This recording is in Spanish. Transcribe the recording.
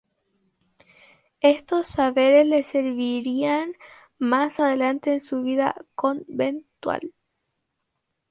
Estos saberes le servirían más adelante en su vida conventual.